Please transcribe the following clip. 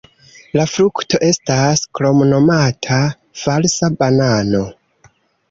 La frukto estas kromnomata "falsa banano".